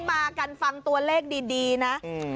มากันฟังตัวเลขดีนะ